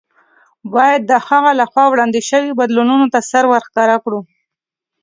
باید د هغه له خوا وړاندې شویو بدلوونکو ته سر ورښکاره کړو.